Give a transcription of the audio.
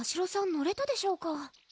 乗れたでしょうか？